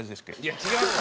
いや違うわ！